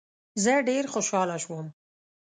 زه ډېر خوشاله شوم.